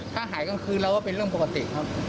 ถ้าหายกลางคืนเราว่าเป็นเรื่องปกติครับ